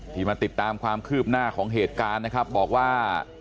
มาติดตามความคืบหน้าของเหตุการณ์นะครับบอกว่า